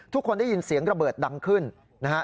ทุกคนได้ยินเสียงระเบิดดังขึ้นนะฮะ